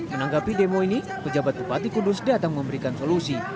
menanggapi demo ini pejabat bupati kudus datang memberikan solusi